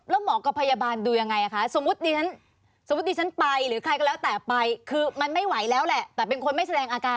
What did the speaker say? แล้วหมอกับพยาบาลดูอย่างไรคะ